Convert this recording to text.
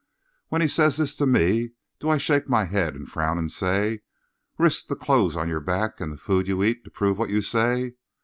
When he says this to me, do I shake my head and frown and say: 'Risk the clothes on your back and the food you eat to prove what you say.'